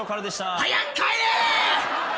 早く帰れ！